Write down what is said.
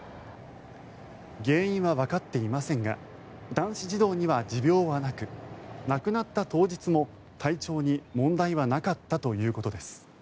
原因はわかっていませんが男子児童には持病はなく亡くなった当日も、体調に問題はなかったということです。